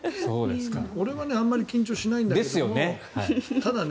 俺はあんまり緊張しないんだけども。ですよね。